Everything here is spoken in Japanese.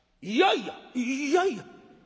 「いやいや？